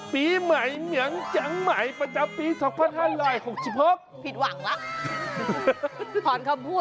ต้องกราบคู่